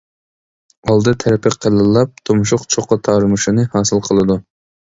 ئالدى تەرىپى قېلىنلاپ تۇمشۇق چوققا تارىمۇشىنى ھاسىل قىلىدۇ.